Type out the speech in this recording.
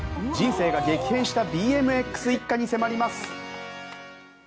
人生が激変したＢＭＸ一家に迫ります。